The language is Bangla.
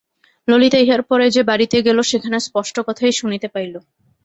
ললিতা ইহার পরে যে বাড়িতে গেল সেখানে স্পষ্ট কথাই শুনিতে পাইল।